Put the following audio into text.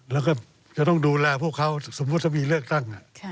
แล้วก็จะต้องดูแลพวกเขาสมมุติถ้ามีเลือกตั้ง